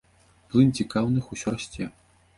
Плынь цікаўных усё расце.